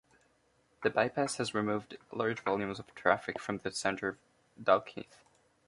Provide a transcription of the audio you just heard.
The bypass has removed large volumes of traffic from the centre of Dalkeith.